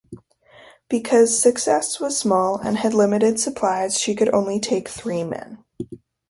Because "Success" was small and had limited supplies she could only take three men.